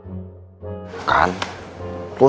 gak ada apa apa